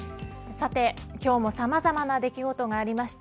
さて今日もさまざまな出来事がありました。